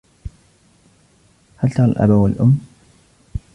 هل ترى الأب و الأُم ؟